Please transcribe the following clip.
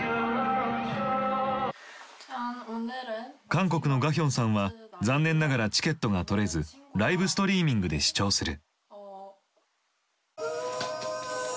韓国のガヒョンさんは残念ながらチケットが取れずライブストリーミングで視聴する。